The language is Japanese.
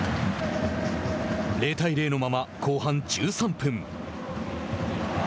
０対０のまま後半１３分。